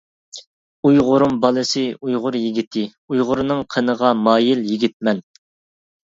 ئۇيغۇرۇم بالىسى ئۇيغۇر يىگىتى، ئۇيغۇرنىڭ قىنىغا مايىل يىگىتمەن.